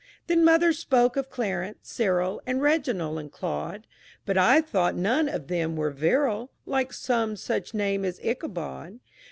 Then mother spoke of Clarence, Cyril, And Reginald and Claude, But I thought none of them were virile Like some such name as Ichabod.